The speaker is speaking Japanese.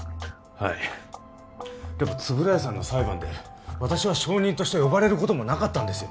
はいでも円谷さんの裁判で私は証人として呼ばれることもなかったんですよ